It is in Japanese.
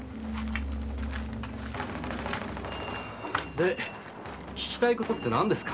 で聞きたいことって何ですか？